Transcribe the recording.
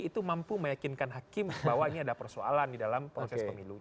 itu mampu meyakinkan hakim bahwa ini ada persoalan di dalam proses pemilu